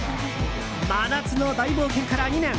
真夏の大冒険から２年。